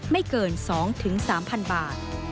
ไม่เกิน๒๓๐๐๐บาท